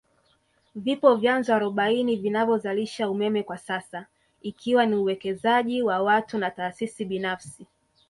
Vipo vyanzo arobaini vinavyozalisha umeme kwasasa ikiwa ni uwekezaji wa watu na taasisi binafsi